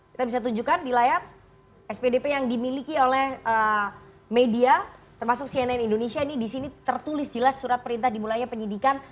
kita bisa tunjukkan di layar spdp yang dimiliki oleh media termasuk cnn indonesia ini di sini tertulis jelas surat perintah dimulainya penyidikan